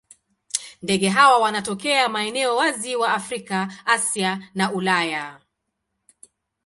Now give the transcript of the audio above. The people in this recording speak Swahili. Ndege hawa wanatokea maeneo wazi wa Afrika, Asia na Ulaya.